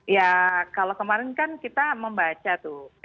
ya kalau kemarin kan kita membaca tuh